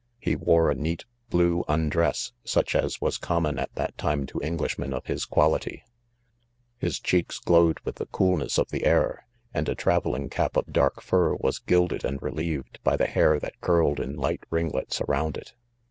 He wore a neat blue undress, such as was com .hiob at that time to: Englishmen of his quali ty 1 , ffis cheeks glowed with the. coolness of the air;. and a. travelling cap of dark fur, was gilded and relieved by the hair that curled in light ringlets around it.